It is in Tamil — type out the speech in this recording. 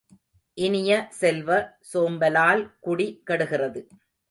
இனிய செல்வ, சோம்பலால் குடி கெடுகிறது.